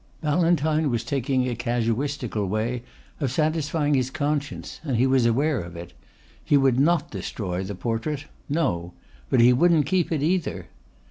Ballantyne was taking a casuistical way of satisfying his conscience, and he was aware of it. He would not destroy the portrait no! But he wouldn't keep it either.